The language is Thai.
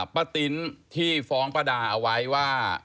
ติ๊นที่ฟ้องป้าดาเอาไว้ว่า